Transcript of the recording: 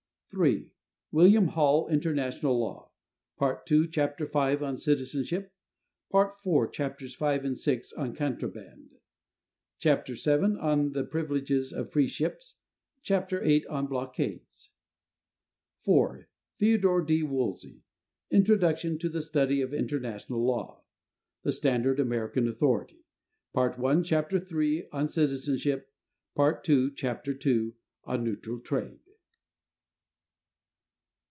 (3) William Hall, "International Law," Part II, chapter v, on "Citizenship"; Part IV, chapters v and vi, on "Contraband"; chapter vii, on the privileges of "Free Ships"; chapter viii, on "Blockades." (4) Theodore D. Woolsey, "Introduction to the Study of International Law" (the standard American authority); Part I, chapter iii, on "Citizenship"; Part II, chapter ii, on "Neutral Trade."